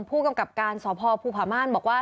ผู้กำกับการสพภูผาม่านบอกว่า